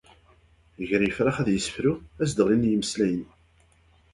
Gar yifrax ad yessefru, ad s-d-ɣlin imeslayen.